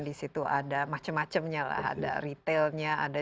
di situ ada macam macamnya lah ada retailnya ada